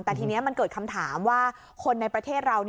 แต่ทีนี้มันเกิดคำถามว่าคนในประเทศเรา